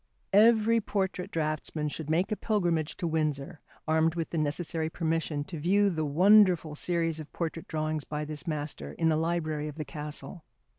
Every portrait draughtsman should make a pilgrimage to Windsor, armed with the necessary permission to view the wonderful series of portrait drawings by this master in the library of the castle.